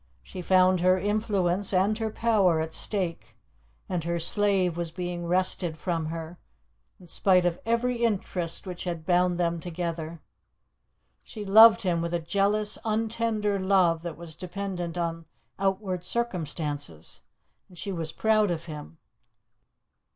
She found her influence and her power at stake, and her slave was being wrested from her, in spite of every interest which had bound them together. She loved him with a jealous, untender love that was dependent on outward circumstances, and she was proud of him.